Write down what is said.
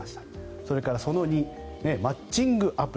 それから、その２マッチングアプリ